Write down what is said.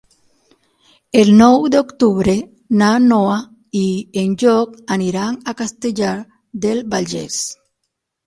El nou d'octubre na Noa i en Llop aniran a Castellar del Vallès.